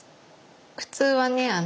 普通はね